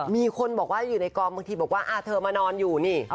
มีคนบอกว่าอยู่ในกองบางทีบอกว่าเธอมานอนอยู่นี่